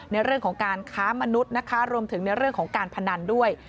ในเรื่องของการค้ามนุษย์นะคะรวมถึงในเรื่องของการพนันด้วย